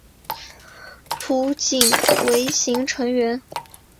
浦井唯行成员。